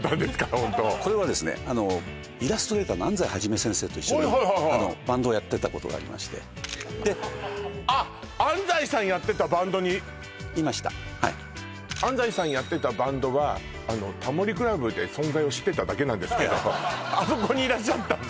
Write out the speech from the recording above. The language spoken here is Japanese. ホントこれはですねイラストレーターの安齋肇先生と一緒にバンドをやってたことがありましてあっ安齋さんやってたバンドにいましたはい安齋さんやってたバンドは「タモリ倶楽部」で存在を知ってただけなんですけどあそこにいらっしゃったんだ